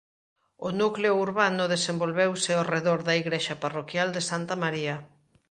O núcleo urbano desenvolveuse ó redor da igrexa parroquial de Santa María.